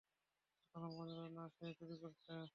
যতক্ষণ পর্যন্ত না সে চুরি করেছে।